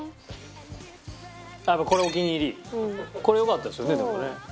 これよかったですよねでもね。